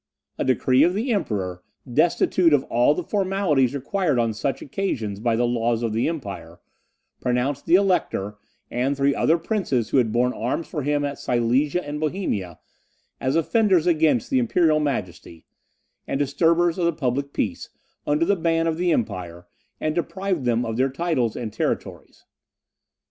A decree of the Emperor, destitute of all the formalities required on such occasions by the laws of the Empire, pronounced the Elector, and three other princes who had borne arms for him at Silesia and Bohemia, as offenders against the imperial majesty, and disturbers of the public peace, under the ban of the empire, and deprived them of their titles and territories.